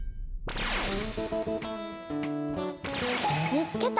見つけた！